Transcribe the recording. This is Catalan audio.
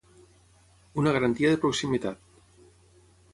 Una garantia de proximitat.